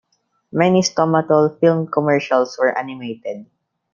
Many Stomatol film commercials were animated.